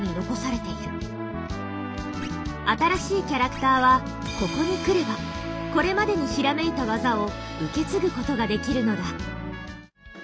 新しいキャラクターはここに来ればこれまでに閃いた技を受け継ぐことができるのだ。